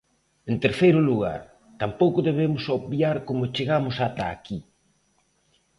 En terceiro lugar, tampouco debemos obviar como chegamos ata aquí.